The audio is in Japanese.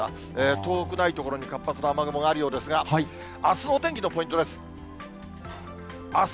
遠くない所に活発な雨雲があるようですが、あすのお天気のポイントです。